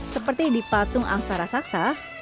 seperti di patung angsa rasaksa